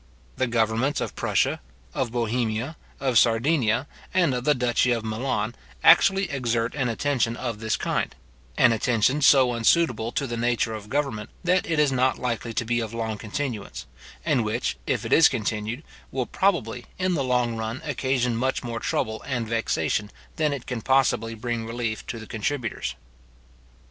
The governments of Prussia, of Bohemia, of Sardinia, and of the duchy of Milan, actually exert an attention of this kind; an attention so unsuitable to the nature of government, that it is not likely to be of long continuance, and which, if it is continued, will probably, in the long run, occasion much more trouble and vexation than it can possibly bring relief to the contributors.